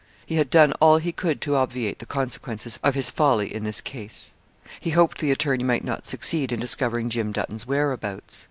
He had done all he could to obviate the consequences of his folly in this case. He hoped the attorney might not succeed in discovering Jim Dutton's whereabouts.